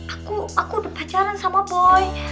aku aku udah pacaran sama boy